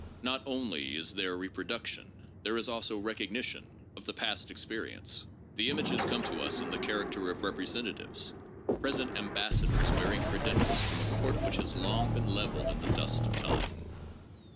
Not only is there reproduction, there is also recognition, of the past experience. The images come to us in the character of representatives, present ambassadors bearing credentials from a court which has long been levelled in the dust of time.